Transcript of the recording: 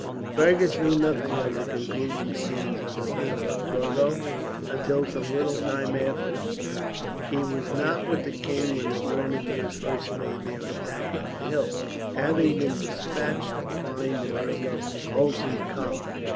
Fergus knew nothing of the concluding scenes of the battle of Torgau until some little time afterwards. He was not with the king when the grenadiers first made their attack on the hill, having been despatched to find and bring up Hulsen's column.